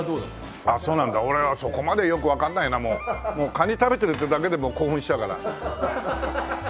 カニ食べてるっていうだけで興奮しちゃうから。